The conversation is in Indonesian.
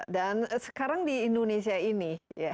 dan sekarang di indonesia ini